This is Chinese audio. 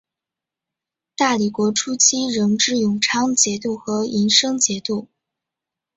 大理国初期仍置永昌节度和银生节度。